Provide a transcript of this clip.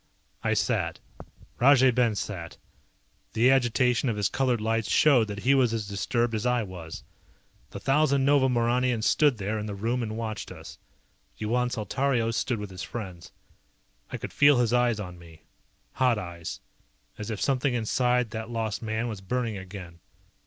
I sat. Rajay Ben sat. The agitation of his colored lights showed that he was as disturbed as I was. The thousand Nova Mauranians stood there in the room and watched us. Yuan Saltario stood with his friends. I could feel his eyes on me. Hot eyes. As if something inside that lost man was burning again.